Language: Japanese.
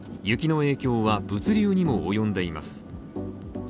雪の影響は物流にも及んでいます。